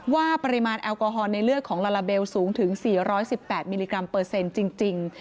ว่าปริมาณแอลกอฮอลในเลือดของลาลาเบลสูงถึง๔๑๘มิลลิกรัมเปอร์เซ็นต์จริง